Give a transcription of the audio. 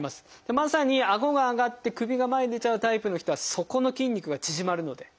まさにあごが上がって首が前に出ちゃうタイプの人はそこの筋肉が縮まるので。